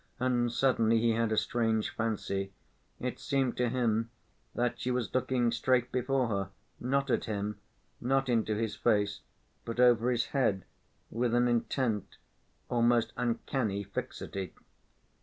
And suddenly he had a strange fancy: it seemed to him that she was looking straight before her, not at him, not into his face, but over his head, with an intent, almost uncanny fixity.